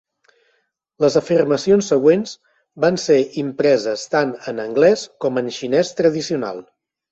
Les afirmacions següents van ser impreses tant en anglès com en xinès tradicional.